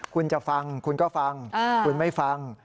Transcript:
คุณจะฟังคุณก็ฟังคุณไม่ฟัง